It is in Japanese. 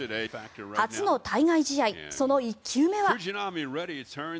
初の海外試合、その１球目は。